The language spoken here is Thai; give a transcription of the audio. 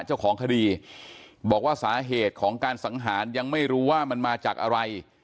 เจ้าของคดีบอกว่าสาเหตุของการสังหารยังไม่รู้ว่ามันมาจากอะไร